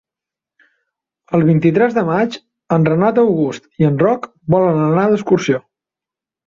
El vint-i-tres de maig en Renat August i en Roc volen anar d'excursió.